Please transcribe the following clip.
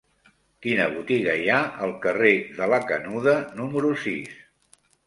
Quina botiga hi ha al carrer de la Canuda número sis?